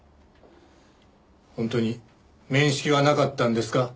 本当に面識はなかったんですか？